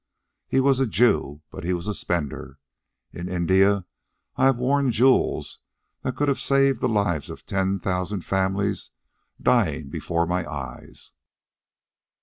He was a Jew, but he was a spender. In India I have worn jewels that could have saved the lives of ten thousand families dying before my eyes."